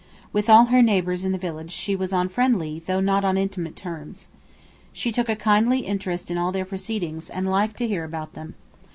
With all her neighbours in the village she vas on friendly, though not on intimate, terms. She took a kindly interest in all their proceedings, and liked to hear about them.